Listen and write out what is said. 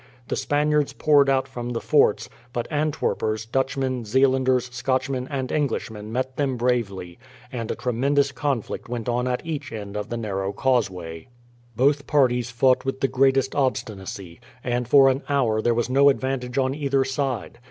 The Spaniards poured out from the forts; but Antwerpers, Dutchmen, Zeelanders, Scotchmen, and Englishmen met them bravely, and a tremendous conflict went on at each end of the narrow causeway. Both parties fought with the greatest obstinacy, and for an hour there was no advantage on either side.